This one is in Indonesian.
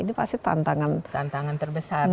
ini pasti tantangan terbesar